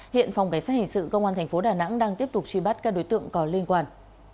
hiện phòng cảnh sát hình sự công an thành phố đà nẵng đang tiếp tục truy bắt các đối tượng có liên quan